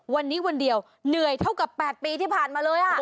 วันนี้วันเดียวเหนื่อยเท่ากับ๘ปีที่ผ่านมาเลย